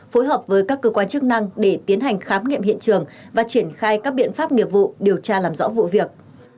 phối hợp với các cơ quan chức năng để tiến hành khám nghiệm hiện trường và triển khai các biện pháp nghiệp vụ điều tra làm rõ vụ việc